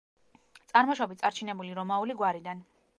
წარმოშობით წარჩინებული რომაული გვარიდან.